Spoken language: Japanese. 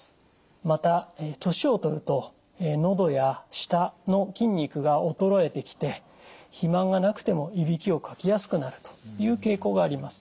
また年を取るとのどや舌の筋肉が衰えてきて肥満がなくてもいびきをかきやすくなるという傾向があります。